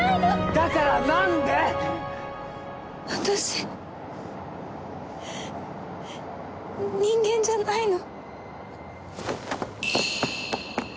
だから何で⁉私人間じゃないの。